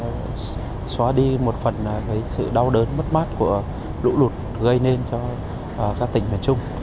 và xóa đi một phần sự đau đớn mất mát của lũ lụt gây nên cho các tỉnh miền trung